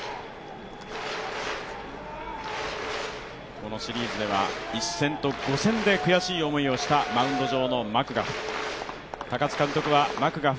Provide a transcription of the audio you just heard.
このシリーズでは１戦と５戦で悔しい思いをしたマウンド上のマクガフ。